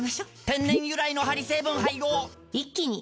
天然由来のハリ成分配合一気に！